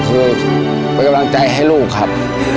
คือเป็นกำลังใจให้ลูกครับ